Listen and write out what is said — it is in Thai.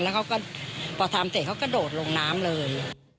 แล้วเขาก็พอทำเสร็จเขากระโดดลงน้ำเลย